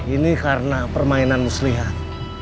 ini karena permainan muslihat